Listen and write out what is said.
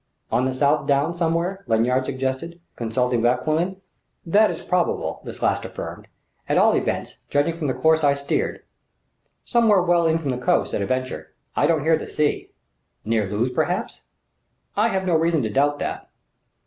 "On the South Downs, somewhere?" Lanyard suggested, consulting Vauquelin. "That is probable," this last affirmed "at all events, judging from the course I steered. Somewhere well in from the coast, at a venture; I don't hear the sea." "Near Lewes, perhaps?" "I have no reason to doubt that."